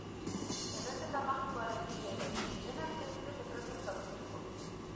Errezeta magikoaren bila iristen direnak ez dute sekreturik aurkituko.